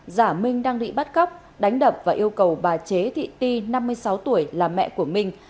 giả minh đang bị bắt cóc đánh đập và yêu cầu bà chế thị y năm mươi sáu tuổi là mẹ của mình